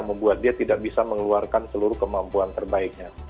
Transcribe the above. membuat dia tidak bisa mengeluarkan seluruh kemampuan terbaiknya